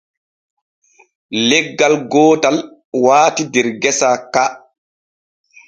Leggal gootal waati der gesa ka.